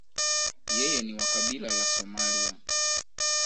Yeye ni wa kabila la Somalia.